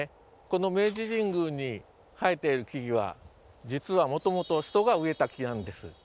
この明治神宮に生えている木々は実はもともと人が植えた木なんです。